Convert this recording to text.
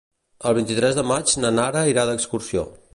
El vint-i-tres de maig na Nara irà d'excursió.